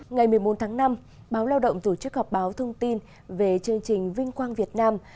ngày một mươi bốn tháng năm báo lao động tổ chức họp báo thông tin về chương trình vinh quang việt nam